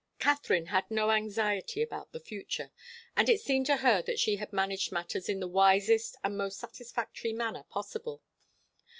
Katharine had no anxiety about the future, and it seemed to her that she had managed matters in the wisest and most satisfactory manner possible.